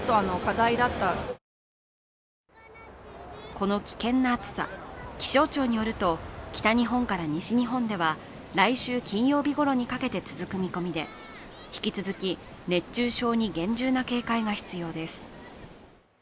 この危険な暑さ、気象庁によると北日本から西日本では来週金曜日ごろにかけて続く見込みで引き続き、熱中症に厳重な警戒が必要です。